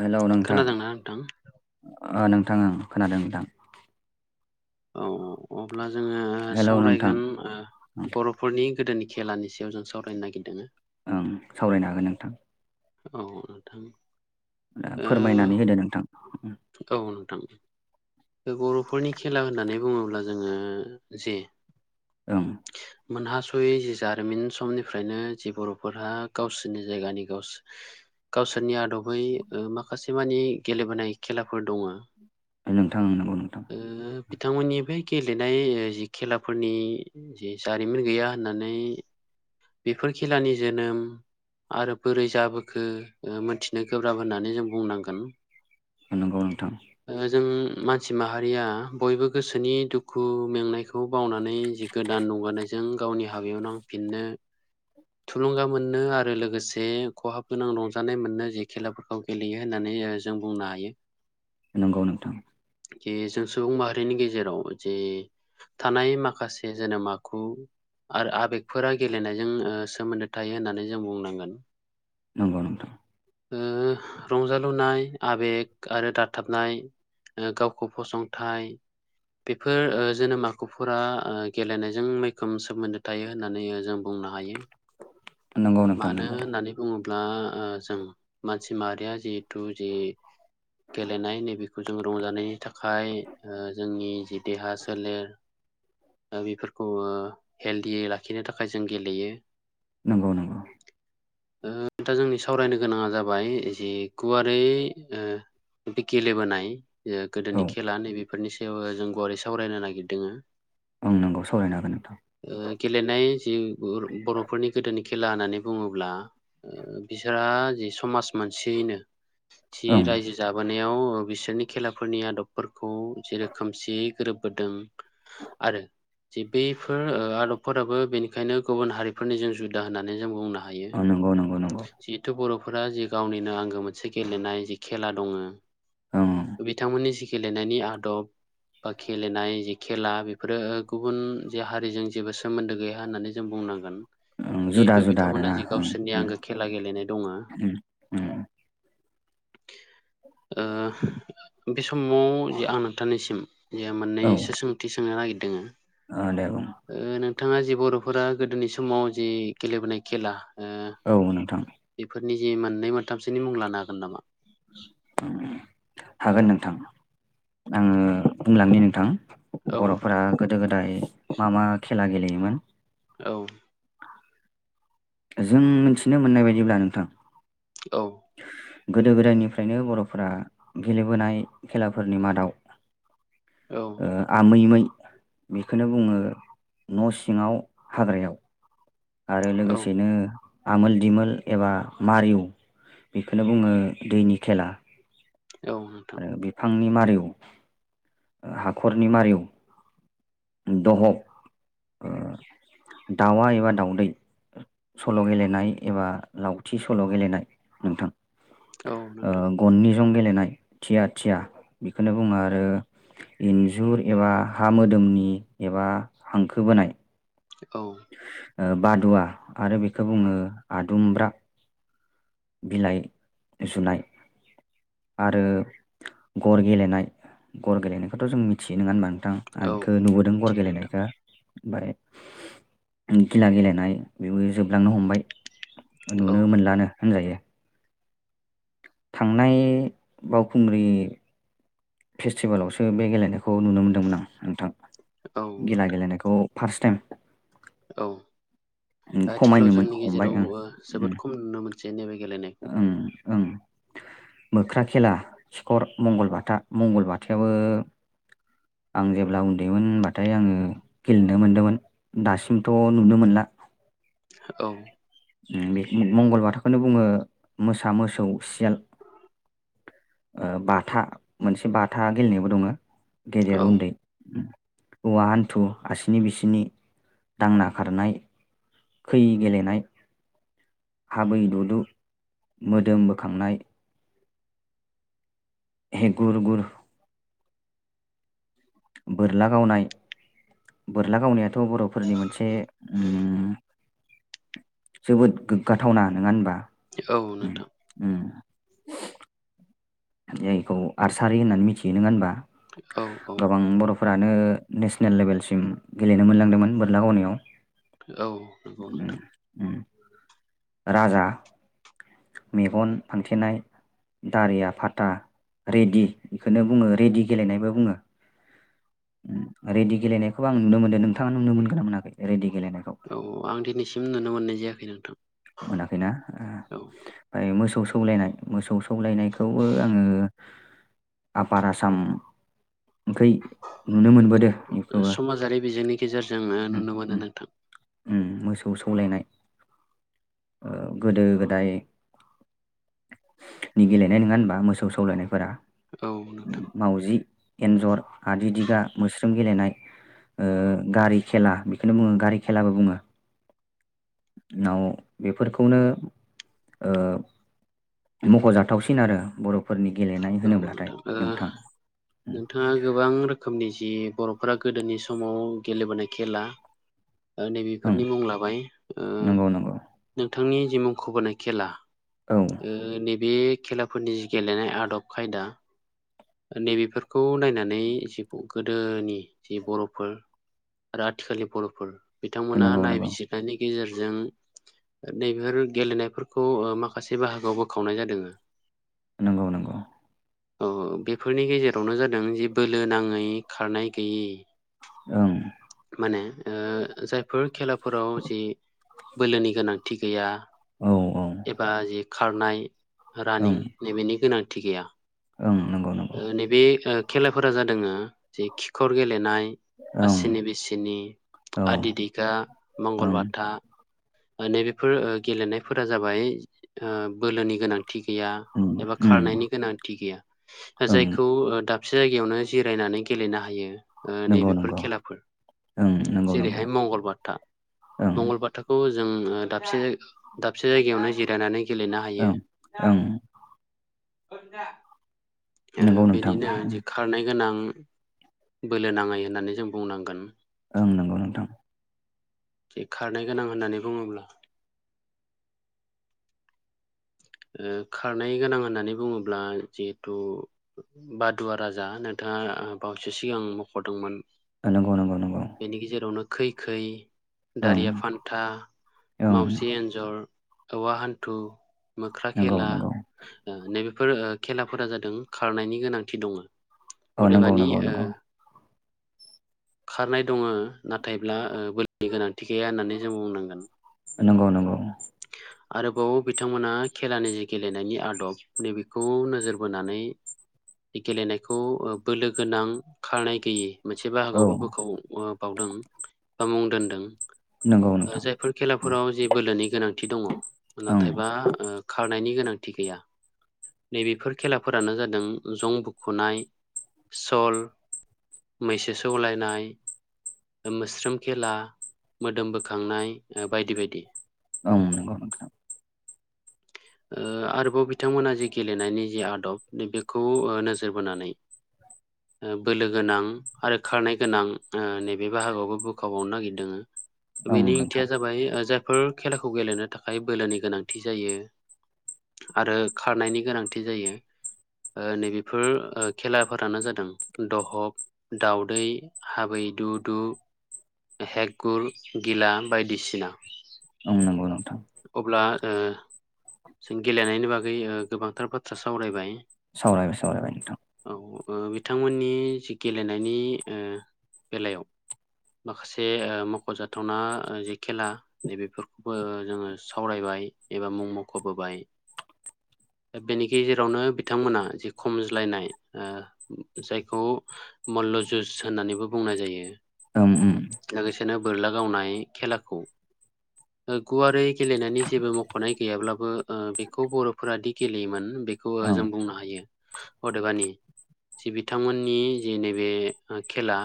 Hello नोंथां खोनादोंना नोंथां? ओ नोंथां ओ खोनादों नोंथां। औ औ अब्ला जोङो हेलौ नोंथां सावरायगोन ओं बर'फोरनि ओ गोदोनि खेलानि जों सावरायनो नागिरदों। ओं सावरायनो हागोन नोंथां औ नोंथां। फोरमायनानै ओ होदो नोंथां। औ नोंथां बर'फोरनि खेला होननानै बुङोब्ला जोङो जे ओम मोनहास'यै जारिमिन समनिफ्रायनो जि बर'फोराहा गावसोरनि जायगानि गावसोर गावसोरनि आदबै ओ माखासे मानि गेलेबोनाय खेलाफोर दङो नोंथांं नंगौ नोंथां। बिथांमोननि बे गेलेनाय जि खेलाफोरनि जि जारिमिन गैया होननानै बेफोर खेलानि जोनोम आरो बोरै जाबो खो मिथिनो गोब्राब होननानै जों बुंनांगोन। नंगौ नोंथां। ओ जों मानसि माहारिया बयबो गोसोनि दुखु मेंनायखौ बावनानै जि गोदान नुगारानाय जायो। नों गावनि हाबायाव नांफिनदो। थुलुंगा मोननो आरो लोगोसे खहाब गोनां रंजानाय मोननो जि खेलाफोरखौ गेलेयो होननानै ओ जों बुंनो हायो। नंगौ नोंथां। जे जों सुबुं माहारिनि गेजेराव जे थानाय माखासे जोनोम आखु आरो आबेगफोरा गेलेनायजों ओ सोमोन्दो थायो होननानै जों बुंनांगोन। नंगौ नोंथां ओ रंजालुनाय आबेग आरो दाथाबनाय ओ गावखौ फसंथाय बेफोर ओ जोनोम आखुफोरा ओ गेलेनायजों मैखोम सोमोन्दो थायो होननानै जों बुं नो हायो। नंगौ नोंथां मानो नंगौ होननानै बुङो ब्ला ओ जों मानसि माहारिया जिहेथु जि गेलेनाय नैबेखौ जों रंजानायनि थाखाय ओ जोंनि जि देहा सोलेर ओ बेफोरखौ ओ हेल्दियै लाखिनो थाखाय जों गेलेयो। नंगौ नंगौ दा जोंनि सावरायनो गोनाङा जाबाय जि गुवारै ओ बि गेलेबोनाय औ गोदोनि खेला नैबे बे फोरनि सायावबो जों गुवारै सावरायनो नागिरदों। आं नोंगौ सावरायनो हागोन ओ नोंथां। गेलेनाय जि बर'फोरनि गोदोनि खेला होननानै बुङोब्ला ओ बिसोरहा जि समाज मोनसेयैनो जि ओं रायजो जाबोनायाव बिसोरनि खेलाफोरनि आदब खौ जे रोखोमसेयै गोरोबबोदों आरो जे बे फोर आदबफोराबो बेनिखायनो गुबुन हारिफोरनिजों जुदा होननानै जों बुंनो हा अ नंगौ नंगौ नंगौ फोरा जि गावनिनो आंगो मोनसे गेलेनाय जि खेला ओं दङो बिथांमोननि गेलेनायनि आदब बा गेलेनाय खेला बेफोरो गुबुन जे हारिजों जेबो सोमोन्दो गैया होननानै जों बुंनांगोन। ओं जुदा जिहेथु जुदा बिथांमोना आरोना जि ओं गावसोरनि आंगो खेला गेलेनाय दङो ओं ओं ओ बे समाव जे आं नोंथांनिसिम जेहा ओं मोननैसो सोंथि सोंनो नागिरदोंङो ओ दे बुं बिथाङा जि बर'फोरा गोदोनि समाव जि गेलेबोनाय खेला ओ औ नोंथां बेफोर नि जे मोननै मोनथामसोनि मुं लानो हागोन नामा? हागोन नोंथां आङो बुंलांनि नोंथां औ बर'फोरा गोदो गोदाय मा मा खेला गेलेयोमोन औ जों मिथिनो मोननाय बायदिब्ला नोंथां औ गोदो-गोदायनिफ्रायनो बर'फोरा गेलेबोनाय खेलाफोरनि मादाव औ ओ आमै मै बेखौनो बुङो न' सिङाव हाग्रायाव आरो औ लोगोसेनो आमोल दिमोल एबा मारिउ बेखोनो बुङो दैनि खेला औ नोंथां आंनि मारिव हाखरनि मारिव दह' ओ दाउआ एबा दाउदै सल' गेलेनाय एबा लावथि सल' गेलेनाय नोंथां औ नोंथां जों गेलेनाय थिया थिया बेखौनो बुङो आरो इन्जुर एबा हा मोदोमनि एबा हांखो बोनाय औ ओ बादुवा आरो बेखौ बुङो आदुमब्रा बिलाइ सुनाय आरो गर गेलेनाय गर गेलेनायखौथ' जों मिथियो नङा होनबा थां आं औ बेखौ नुबोदों गर मिथियो नोंथां गेलेनायखौ ओमफाय गिला गेलेनाय बेबो जोबलांनो हमबाय औ नुनो मोनलानो होनजायो थांनाय बावखुंग्रि फेस्टिभेलावसो बे गेलेनायखौ नुनो मोन्दोंमोन आं नोंथां औ गेला नोंथां गेलेनायखौ फार्स्ट टाइम औ आथिखालाव खमायनो मोन जोंनि हमबाय ओं गेजेराव उम जोबोद खम नुनो मोनसे नैब गेलेनायखौ ओं ओं मोख्रा खेला सिखर मंगलबाथा मंगलबाथायाबो आं जेब्ला उन्दैमोन होनबाथाय आङो गेलेनो मोनदोंमोन दासिमथ' नुनो मोनला औ ओम बे मंगलबाथाखौनो बुङो मोसा मोसौ सियाल बाथा मोनसे बाथा गेलेनोबो दङ औ गेदेर उन्दै औवा हान्थु आसिनि बिसिनि दांना खारनाय खै गेलेनाय हाबै ददु मोदोम बोखांनाय हे गुर गुर बोरला गावनाय बोरला गावनायाथ' बर'फोरनि मोनसे ओम जोबोद गोग्गाथावना नङा होनबा औ उम नोंथां उम [inaudible] जायखौ आरसारि होननानै मिथियो नङा होनबा औ औ गोबां बर'फोरानो नेसनेल लेभेलसिम गेलेनो मोनलांदोंमोन बोरलागावनायाव औ नंगौ नोंथां राजा मेगन फांथेनाय दारिआफा। टा रेदि बेखौनो बुङो रेदि गेलेनायबो बुङो। रेदि गेलेनायखौबो आं नुनो मोनदों नोंथाङा नुनो मोनगोना मोनाखै रेदि औ आं दिनैसिम नुनो मोननाय जायाखै नोंथां। मोनाखैना ओ औ ओमफ्राय मोसौ सौलायनाय मोसौ। सौलायनायखौबो आङो आफार आसाम। ओमफ्राय नुनो मोनबोदो बेखौबो समाजारि बिजोंनि गेजेरजों ओ नुनो मोनो ओम-ओम नोंथां ओम मोसौ सौलायनाय गोदो गोदाय नि गेलेनाय नङा होनबा मोसौ सौलायनायफोरा औ नोंथां मावजि एन्जर आदि दिगा। मोस्रोम गेलेनाय गारि खेला बेखौनो बुङो गारि खेलाबो बुङो। नाव बेफोरखौनो ओ मख'जाथावसिन आरो बर' औ नोंथां नोंथाङा गोबां रोखोमनि जि बर'फोरा गोदोनि समाव गेलेबोनाय खेला ओं नैबेफोरनि मुं लाबाय नंगौ नंगौ नोंथांनि जि मुंखौबोनाय खेला औ नैबे खेलाफोरनि जि गेलेनाय आदब खायदा नैबेफोरखौ नायनानै जि गोदोनि जि बर'फोर आरो आथिखालनि बर'फोर बिथांमोना नंगौ नंगौ नायबिजिरनायनि गेजेर जों नैब गेलेनायफोरखौ माखासे बाहागोआव बोखावनाय जादों। नंगौ नंगौ औ बेफोरनि गेजेरावनो जादों जे बोलो नाङै खारनाय गैयै ओं। माने जायफोर खेलाफोराव जि बोलोनि गोनांथि गैया। औ औ। एबा जि खारनाय रानिं नैबेनि गोनांथि गैया ओ नंगौ। नंगौ नैबे खेलाफोरा जादों जे खिखर गेलेनाय। ओं आसिनि बिसिनि, औ आदि दिगा, ओं मंगलबाथा नैबेफोर गेलेनायफोरा जाबाय बोलोनि गोनांथि उम एबा उम खारनायनि गोनांथि गैया ओं जायखौ दाबसे जायगायावनो जिरायनानै गेलेनो हायो। नंगौ नैबेफोर नंगौ खेलाफोर ओं नंगौ नंगौ जेरैहाय मंगलबाथा ओं मंगलबाथा जों दाबसे जायगायावनो जिरायनानै गेलेनो हायो। ओं ओं नंगौ नोंथां बिदिनो खारनाय गोनां। बोलो नाङै होननानै जों बुंनांगोन। ओं नंगौ नोंथां। जे खारनो गोनां होननानै बुङोब्ला। खारनाय गोनां होननानै बुङोब्ला जिहेथु बादुवा राजा नोंथां दा बावैसो सिगां मख'दोंमोन नंगौ नंगौ अ नंगौ। खैखै ओं दारिया फान्था ओं माउजि एन्जर औवा हान्थु मोख्रा नंगौ खेला नंगौ नैबे। बेफोर खेलाफोरा जादों खारनायनि गोनांथि दङ औ नंगौ अदेबानि नंगौ [inaudible] नंगौ खारनाय दङ नाथायब्ला बोलोनि गोनांथि गैया होननानै जों बुंनांगोन। नंगौ नंगौ। आरोबाव बिथांमोना। खेलानि जि गेलेनायनि आदब नैबेखौ नोजोर बोनानै। गेलेनायखौ बोलो गोनां खारनाय गैयै। मोनसे औ बाहागोआवबो बोखाव बावदों बा मुं दोनदों नंगौ नोंथां जायफोर खेलाफोराव जे बोलोनि गोनांथि दङ ओं नाथायबा खारनायनि गोनांथि गैया नैबेफोर खेलाफोरानो जादों जं बुखुनाय सल मैसो सौलायनाय मोस्रोम खेला मोदोम बोखांनाय बायदि बायदि ओम नंगौ नोंथां [inaudible] आरोबाव बिथांमोना जि गेलेनायनि जि आदब बेखौ नोजोर बोनानै बोलो गोनां आरो खारनाय गोनां नैबे बाहागोआवबो बोखाबावनो नागिरदों ओं बेनि ओंथिया नोंथां जाबाय जायफोर खेलाखौ गेलेनो थाखाय बोलोनि गोनांथि जायो आरो खारनायनि गोनांथि जायो नैबेफोर खेलाफोरानो जादों दहक दाउदै हाबै दु दु हेगगुर गिला बायदिसिना ओ नांगौ नोंथां अब्ला जों गेलेनायनि बागै गोबांथार बाथ्रा सावरायबाय सावरायबाय सावरायबाय औ बिथांमोननि जि गेलेनायनि बेलायाव माखासे मख'जाथावना जि खेला नैबेफोरखौबो जोङो सावरायबाय एबा मुं मख'बोबाय बेनि गेजेरावनो बिथांमोना जि खमज्लायनाय जायखौ जु' जुस होननानैबो बुंनाय जायो ओं ओ लोगोसेनो बोरला गावनाय खेलाखौ गुवारै गेलेनायनि जेबो म खनाय गैयाब्लाबो बेखौ बर'फोरादि गेलेयोमोन बेखौ ओं जों बुंनो हायो अदेबानि जि बिथांमोननि जि नैबे खेला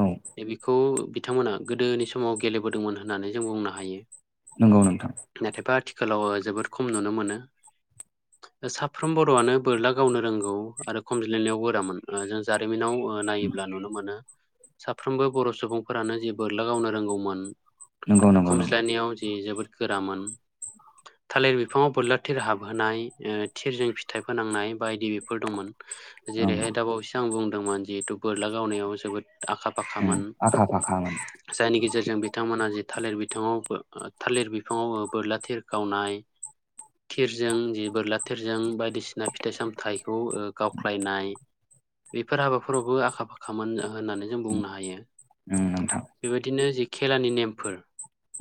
औ द बेखौ बिथांमोना गोदोनि समाव गेलेबोदोंमोन होननानै जों बुंनो हायो नंगौ नोंथां नाथायबा आथिखालाव जोबोद खम नुनो मोनो साफ्रोम बर'आनो बोरला गावनो रोंगौ आरो खमज्लायनायाव बोरामोन जों जारिमिनाव उम नायोब्ला नुनो मोनो साफ्रोमबो बर' सुबुंफोरानो जे बोरला गावनो रोंगौमोन नंगौ आरो नंगौ नंगौ खमज्लायनायाव जि जोबोद गोरामोन थालिर बिफाङाव बोरला थिर हाबहोनाय थिरजों फिथाइ फोनांनाय बायदि बेफोर दंमोन ओं जेरैहाय दा बावैसो आं बुंदोंमोन जिहेथु बोरला गावनायाव जोबोद आखा उम फाखामोन आखा फाखामोन जायनि गेजेरजों बिथांमोना थालिर बिथाङावब थालिर बिफाङाव बोरला थिर गावनाय थिरजों जि बोरला थिरजों बायदिसिना फिथाइ सामथाइखौ गावख्लायनाय बेफोर हाबाफोरावबो आखा फाखामोन होननानै जों बुंनो हायो उम नोंथां बेबायदिनो जे खेलानि नेमफोर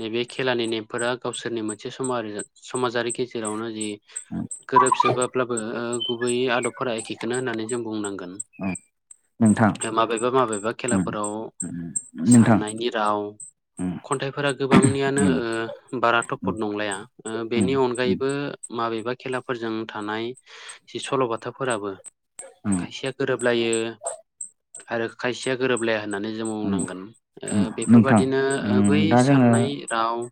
नैबे खेलानि नेमफोरा गावसोरनि मोनसे सम समाजारि गेजेरावनो जि आ गोरोबजोबाब्लाबो गुबैयै आदबफोरा एखेखौनो होननानै जों बुंनांगोन उम नोंथां माबेबा माबेबा उम खेलाफोराव नोंथां साननायनि राव उम खन्थाइफोरा गोबांनियानो उम बारा उम थफद नंलाया बेनि उम अनगायैबो माबेबा खेलाफोरजों थानाय जि सल'बाथाफोराबो उम खायसेया गोरोबलायो आरो खायसेया गोरोबलाया होननानै जों उम बुंनांगोन उम नोंथां बेफोरबादिनो बै उम दा जोङो साननाय राव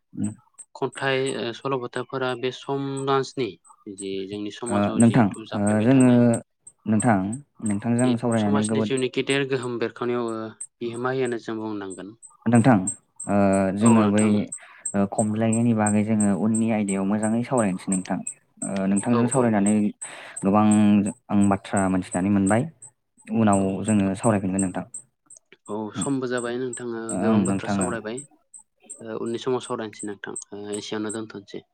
खन्थाइ सल'बथाफोरा बे सम दान्सनि जि जोंनि ओ समाजाव नोंथां जिहेतु ओ जाफ्लेबाय जोङो थानाय नोंथां [inaudible] नोंथांजों जि सावरायनानै समाजनि जोबोद जिउनि गेदेर गोहोम बेर खावनायाव बिहोमा हो होननानै जों बुंनांगोन। नोंथां औ जोङो बै नोंथां खमलायनायनि बागै जोङो उननि आयदायाव मोजाङै सावरायनोसै नोंथां। औ नोंथांजों औ औ सावरायनानै गोबां आं बाथ्रा मोनथिनानै मोनबाय। उनाव औ जोङो नोंथां सावरायफिनगोन नोंथां औ समबो जाबाय नोंथाङा ओं गोबां बाथ्रा नोंथां ओं सावरायबाय। उननि समाव सावरायनोसै नोंथां एसियावनो दोनथनोसै। [inaudible]